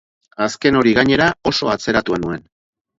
Azken hori, gainera, oso atzeratua nuen.